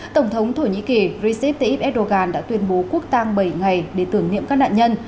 tổng thống thổ nhĩ kỳ recep tayyip erdogan đã tuyên bố quốc tang bảy ngày để tưởng niệm các nạn nhân